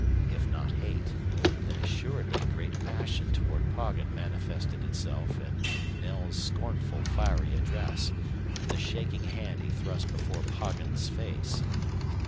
If not hate, then assuredly great passion toward Poggin manifested itself in Knell's scornful, fiery address, in the shaking hand he thrust before Poggin's face.